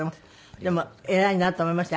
でも偉いなと思いましたよ。